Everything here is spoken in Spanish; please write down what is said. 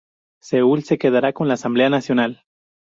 Seúl se quedará con la Asamblea Nacional.